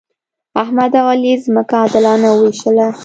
احمد او علي ځمکه عادلانه وویشله.